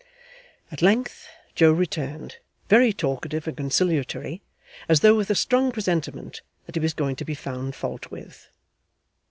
At length Joe returned very talkative and conciliatory, as though with a strong presentiment that he was going to be found fault with.